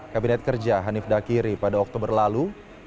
kabinet kerja hanif dakiri pada oktober lalu